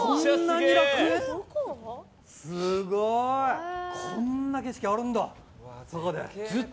すごい！こんな景色あるんだ。